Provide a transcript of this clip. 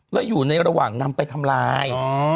แล้วอยู่ในระหว่างนำไปทำลาย